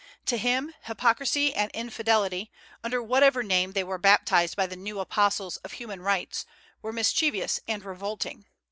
To him hypocrisy and infidelity, under whatever name they were baptized by the new apostles of human rights, were mischievous and revolting.